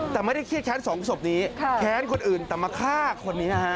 แต่ไม่ได้เครียดแค้นสองศพนี้แค้นคนอื่นแต่มาฆ่าคนนี้ฮะ